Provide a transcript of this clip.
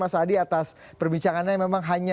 mas adi atas perbincangannya yang memang hanya